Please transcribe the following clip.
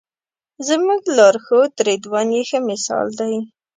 زموږ لارښود رضوان یې ښه مثال دی.